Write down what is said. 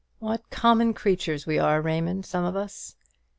What common creatures we are, Raymond, some of us!